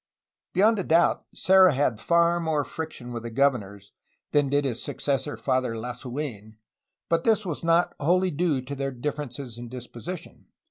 Beyond a doubt, Serra had far more friction with the governors than did his successor Father Lasu^n, but this was not wholly due to their difference in disposition.